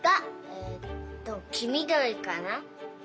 えっときみどりかな？